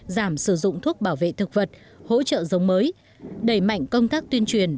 giảm sử dụng thuốc bảo vệ thực vật hỗ trợ giống mới đẩy mạnh công tác tuyên truyền